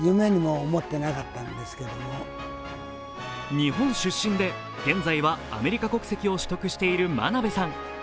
日本出身で現在はアメリカ国籍を取得している真鍋さん。